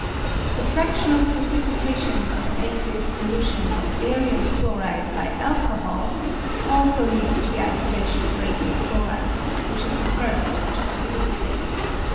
The fractional precipitation of an aqueous solution of barium chloride by alcohol also leads to the isolation of radium chloride, which is the first to precipitate.